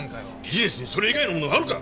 ビジネスにそれ以外のものがあるか！